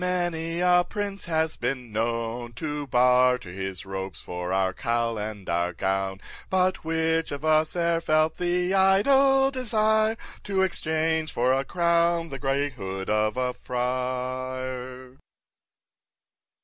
many a prince has been known To barter his robes for our cowl and our gown, But which of us e'er felt the idle desire To exchange for a crown the grey hood of a Friar!